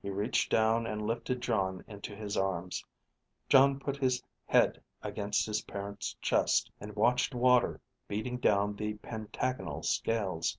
He reached down and lifted Jon into his arms. Jon put his head against his parent's chest and watched water beading down the pentagonal scales.